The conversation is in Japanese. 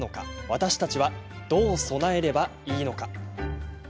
私たちはどう備えればよいのか。